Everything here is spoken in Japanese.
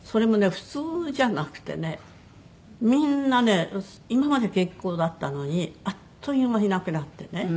普通じゃなくてねみんなね今まで健康だったのにあっという間に亡くなってね。